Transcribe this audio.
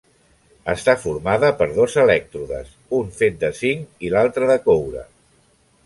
Està formada per dos elèctrodes: un fet de zinc i l'altre de coure.